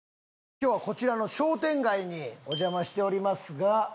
今日はこちらの商店街にお邪魔しておりますが。